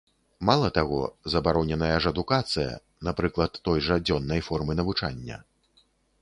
Мала таго, забароненая ж адукацыя, напрыклад, той жа дзённай формы навучання.